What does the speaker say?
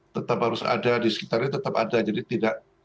tetap harus ada di sekitarnya tetap ada jadi tidak